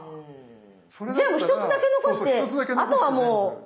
じゃあ１つだけ残してあとはもう。